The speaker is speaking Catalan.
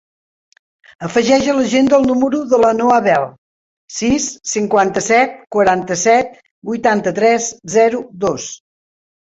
Afegeix a l'agenda el número de la Noa Bel: sis, cinquanta-set, quaranta-set, vuitanta-tres, zero, dos.